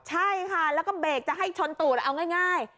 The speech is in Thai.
ใช่ค่ะแล้วก็เบรกจะให้ชนตูดเอาง่าย